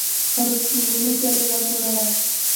روغتیایي مجلې وګورئ.